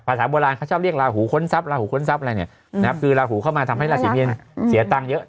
โบราณเขาชอบเรียกลาหูค้นทรัพลาหูค้นทรัพย์อะไรเนี่ยนะครับคือลาหูเข้ามาทำให้ราศีเมียนเสียตังค์เยอะ